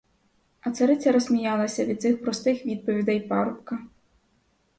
А цариця розсміялася від цих простих відповідей парубка.